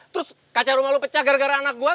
terus kaca rumah lo pecah gara gara anak gue